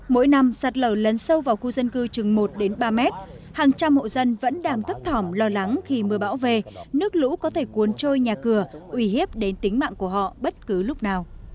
mỗi năm sạt lở lấn sâu vào khu dân cư chừng một đến ba mét hàng trăm hộ dân vẫn đang thấp thỏm lo lắng khi mưa bão về nước lũ có thể cuốn trôi nhà cửa uy hiếp đến tính mạng của họ bất cứ lúc nào